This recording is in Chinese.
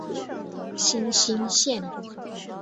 新兴线